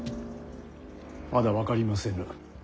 まだ分かりませぬ。